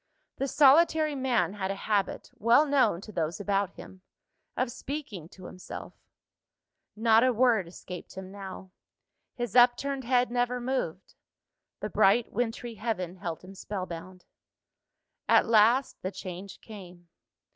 The solitary man had a habit, well known to those about him, of speaking to himself; not a word escaped him now; his upturned head never moved; the bright wintry heaven held him spellbound. At last, the change came.